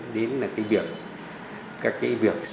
đến là việc xử lý